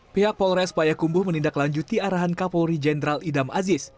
pihak polres payakumbu menindaklanjuti arahan kapolri jenderal idam aziz